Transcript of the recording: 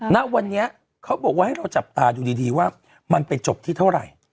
ณวันนี้เขาบอกว่าให้เราจับตาดูดีว่ามันไปจบที่เท่าไหร่